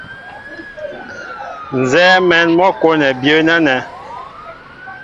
Nzɛ́ɛ́ mɛ̌n mɔ́ kwɔ́nɛ byə̌ nɛ́nɛ́.